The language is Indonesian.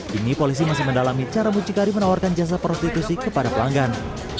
kini polisi masih mendalami cara mucikari menawarkan jasa prostitusi kepada pelanggan